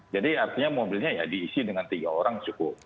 jadi artinya mobilnya diisi dengan tiga orang cukup